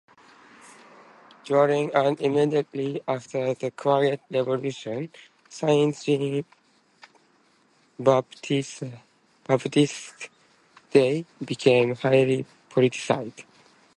During and immediately after the Quiet Revolution, Saint-Jean-Baptiste Day became highly politicized.